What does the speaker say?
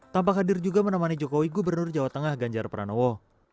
tampak hadir juga menemani jokowi gubernur jawa tengah ganjar pranowo